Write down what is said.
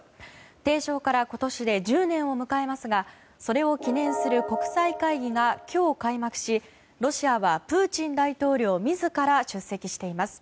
提唱から今年で１０年を迎えますがそれを記念する国際会議が今日、開幕しロシアは、プーチン大統領自ら出席しています。